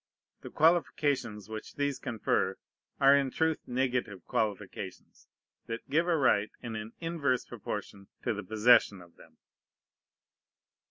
The qualifications which these confer are in truth negative qualifications, that give a right in an inverse proportion to the possession of them.